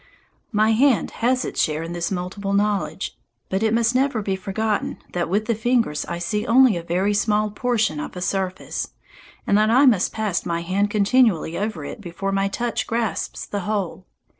My hand has its share in this multiple knowledge, but it must never be forgotten that with the fingers I see only a very small portion of a surface, and that I must pass my hand continually over it before my touch grasps the whole.